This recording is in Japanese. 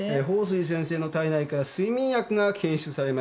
鳳水先生の体内から睡眠薬が検出されました。